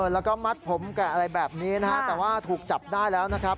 แล้วก็มัดผมแกะอะไรแบบนี้นะฮะแต่ว่าถูกจับได้แล้วนะครับ